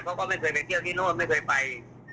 เขาก็ไม่เคยไปเที่ยวที่โน่นไม่เคยไป